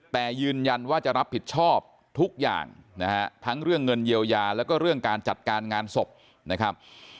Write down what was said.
แต่ยืนยันว่าจะรับผิดชอบทุกอย่างนะฮะทั้งเรื่องเงินเยียวยาแล้วก็เรื่องการจัดการงานศพนะครับ